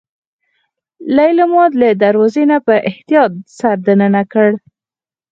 ليلما له دروازې نه په احتياط سر دننه کړ.